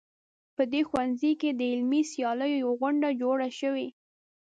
په دې ښوونځي کې د علمي سیالیو یوه غونډه جوړه شوې